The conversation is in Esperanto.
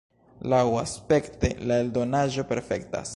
Laŭaspekte la eldonaĵo perfektas.